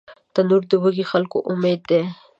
تنور د وږي خلکو امید دی